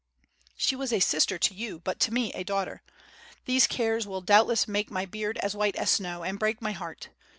"She was a sister to you, but to me a daughter. These cares will doubtless make my beard as white as snow, and break my heart.